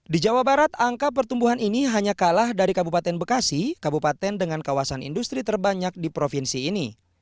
di jawa barat angka pertumbuhan ini hanya kalah dari kabupaten bekasi kabupaten dengan kawasan industri terbanyak di provinsi ini